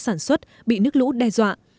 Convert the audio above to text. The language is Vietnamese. sản xuất bị nước lũ đe dọa